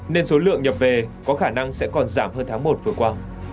nên số lượng nhập về có khả năng sẽ còn giảm hơn tháng một vừa qua